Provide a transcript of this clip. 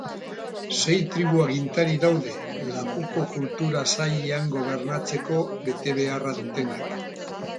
Sei tribu agintari daude, lakuko kultura sailean gobernatzeko betebeharra dutenak.